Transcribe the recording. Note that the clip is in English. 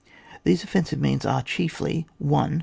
These offensive moans are chiefly :^ 1.